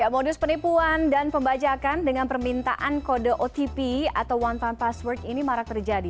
modus penipuan dan pembajakan dengan permintaan kode otp atau one time password ini marak terjadi